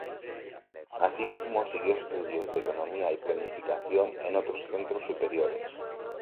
Asimismo, siguió estudios de Economía y Planificación en otros centros superiores.